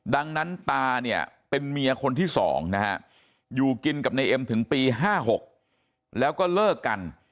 ดังนั้นตาเนี่ยเป็นเมียคนที่๒นะฮะอยู่กินกับนายเอ็มถึงปี๕๖แล้วก็เลิกกัน